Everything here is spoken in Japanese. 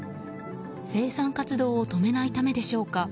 生産活動を止めないためでしょうか